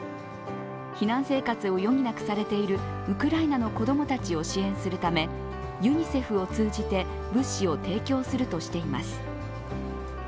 避難生活を余儀なくされているウクライナの子供たちを支援するためユニセフを通じて物資を提供するとしています。